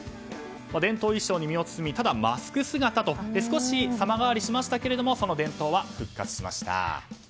伝統衣装に身を包みただ、マスク姿と少し様変わりしましたがその伝統は復活しました。